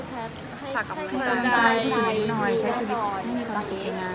ใช้ชีวิตใช้ชีวิตพี่หน่อย